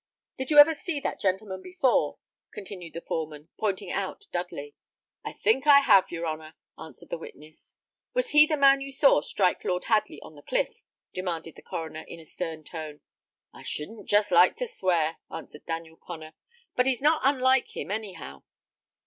"Did you ever see that gentleman before?" continued the foreman, pointing out Dudley. "I think I have, your honour," answered the witness. "Was he the man you saw strike Lord Hadley on the cliff?" demanded the coroner, in a stern tone. "I shouldn't just like to swear," answered Daniel Connor; "but he's not unlike him, any how."